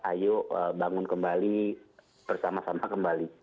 ayo bangun kembali bersama sama kembali